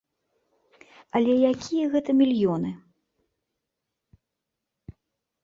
Але якія гэта мільёны?